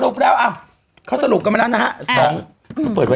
สรุปแล้วเอ้าเขาสรุปกันจากเมื่อนั้นนะฮะ